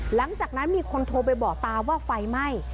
หลังจากนั้นมีคนโทรไปบอกตาว่าไฟไหม้